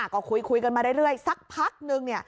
ก็คุยกันมาเรื่อยสักพักนึง